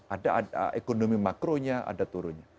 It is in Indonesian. ada ekonomi makronya ada turunnya